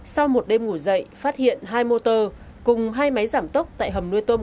sau một đêm ngủ dậy phát hiện hai motor cùng hai máy giảm tốc tại hầm nuôi tôm